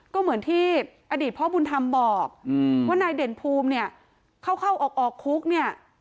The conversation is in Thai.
ก็เหมือนที่อดีตพ่อบุญธรรมบอกว่านายเด่นภูมิเนี่ยเข้าเข้าออกคุกเนี่ย